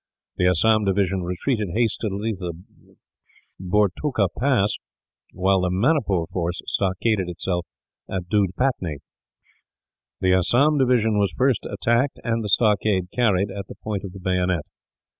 The Assam division retreated hastily to the Bhortoka Pass, while the Manipur force stockaded itself at Doodpatnee. The Assam division was first attacked, and the stockade carried at the point of the bayonet.